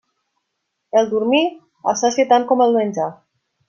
El dormir assacia tant com el menjar.